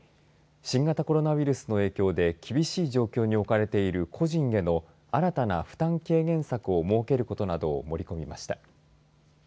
新型コロナウイルスの影響で厳しい状況に置かれている個人への新たな負担軽減策を設けることなどを盛り込みました。